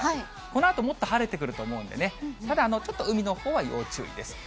このあともっと晴れてくると思うんでね、ただ、ちょっと海のほうは要注意です。